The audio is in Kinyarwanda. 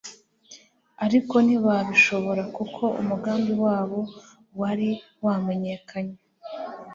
ariko ntibabishobora kuko umugambi wabo wari wamenyekanye